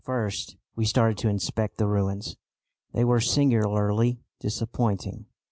First, we started to inspect the ruins. They were singularly disappointing.